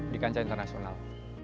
di kancah internasional